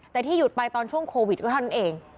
แต่ที่หยุดไปตอนช่วงโควิดก็เท่านั้นเอง